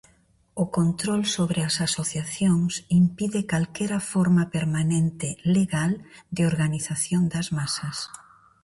O control sobre as asociacións impide calquera forma permanente "legal" de organización das masas.